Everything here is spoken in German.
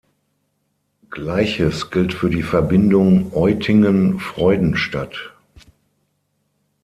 Gleiches gilt für die Verbindung Eutingen–Freudenstadt.